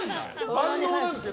万能なんですね